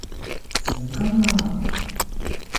成功啦